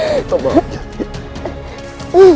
tetapi tolong aku